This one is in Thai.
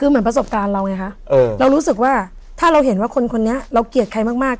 คือเหมือนประสบการณ์เราไงคะเรารู้สึกว่าถ้าเราเห็นว่าคนคนนี้เราเกลียดใครมาก